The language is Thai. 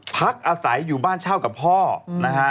พักอาศัยอยู่บ้านเช่ากับพ่อนะฮะ